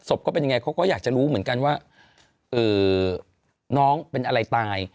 ก็เป็นยังไงเขาก็อยากจะรู้เหมือนกันว่าน้องเป็นอะไรตาย